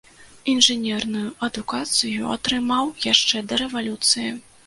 Інжынерную адукацыю атрымаў яшчэ да рэвалюцыі.